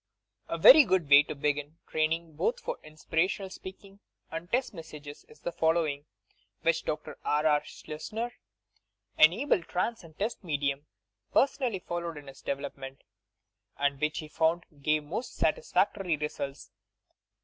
A very good way to begin training both for Inspira tional Speaking and Test Messages is the following, which Dr. B. B. Schleusner — an able trance and test medium — personally followed in his development, and which he found gave most satisfactory results.